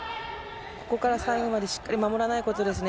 ここから最後までしっかり守らないことですね。